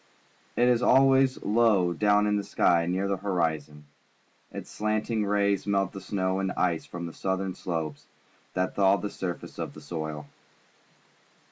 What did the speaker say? It is always low down in the skj^ near the horizon. Its slanting rays melt the snow and ice from the southern slopes and thaw the surface of the soil.